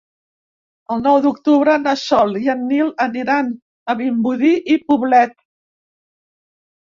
El nou d'octubre na Sol i en Nil aniran a Vimbodí i Poblet.